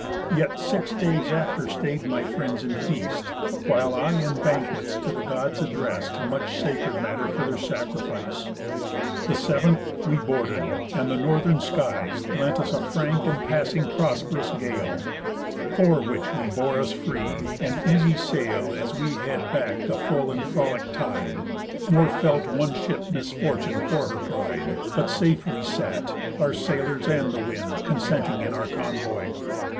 Yet six days after stay'd my friends in feast, While I in banquets to the Gods addrest Much sacred matter for their sacrifice. The seventh, we boarded; and the Northern skies Lent us a frank and passing prosp'rous gale, 'Fore which we bore us free and easy sail As we had back'd a full and frolic tide; Nor felt one ship misfortune for her pride, But safe we sat, our sailors and the wind Consenting in our convoy.